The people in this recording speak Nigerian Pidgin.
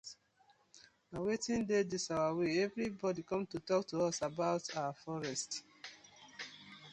Na wetin dey dis our wey everi bodi com to tok to us abour our forest.